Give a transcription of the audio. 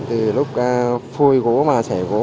từ lúc phôi gỗ mà xẻ gỗ